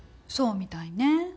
そうみたいね。